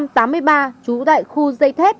trú tại khu dây thết